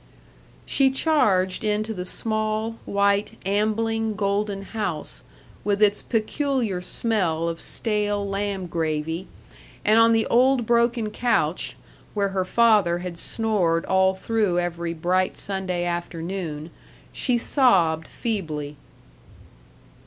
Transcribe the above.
She charged into the small, white, ambling Golden house, with its peculiar smell of stale lamb gravy, and on the old broken couch where her father had snored all through every bright Sunday afternoon she sobbed feebly.